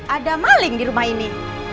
ada maling di rumah ini